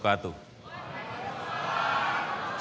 assalamualaikum warahmatullahi wabarakatuh